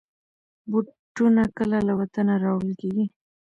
بوټونه کله له وطنه راوړل کېږي.